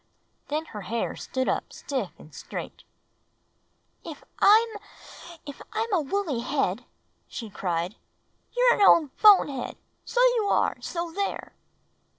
Then her hair stood up stiff and straight. "If I'm — if I'm a woolly head," she cried, "you're an old bone head! So you are! So there!"